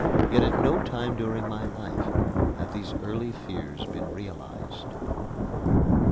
Yet at no time during my life have these early fears been realized.